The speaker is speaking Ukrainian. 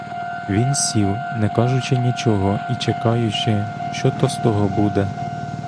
Він сів, не кажучи нічого і чекаючи, що то з того буде.